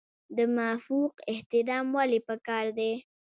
د مافوق احترام ولې پکار دی؟